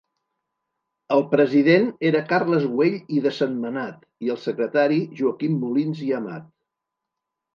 El president era Carles Güell i de Sentmenat i el secretari Joaquim Molins i Amat.